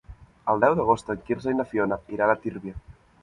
El deu d'agost en Quirze i na Fiona iran a Tírvia.